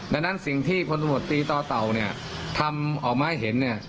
ดังนั้นสิ่งที่สมบัติตีต่อเต่าทำออกมาให้เห็น